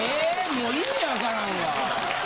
もう意味分からんわ。